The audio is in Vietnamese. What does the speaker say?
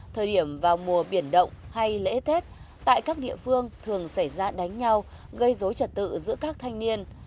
thời điểm vào mùa biển động hay lễ tết tại các địa phương thường xảy ra đánh nhau gây dối trật tự giữa các thanh niên